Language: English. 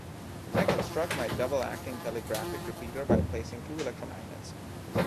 I construct my double-acting telegraphic repeater by placing two electromagnets.